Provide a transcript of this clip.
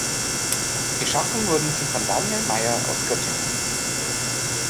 Geschaffen wurde sie von Daniel Meyer aus Göttingen.